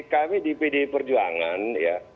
kami di pdi perjuangan ya